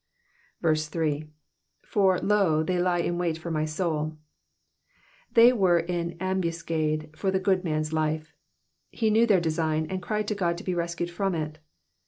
3. ^^Eur, lo, tliey lie in wait for my souV^ They were in ambuscade for the good man's life. He knew their design and cried to God to be rescued from it.